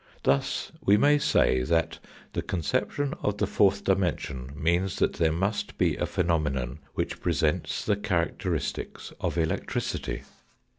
Thus we may say that the conception of the fourth dimension means that there must be a phenomenon which presents the characteristics of electricity.